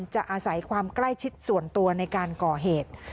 จะอาศัยความใกล้ชิดส่วนตัวในการก่อเหตุ